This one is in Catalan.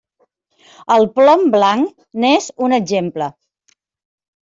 El plom blanc n'és un exemple.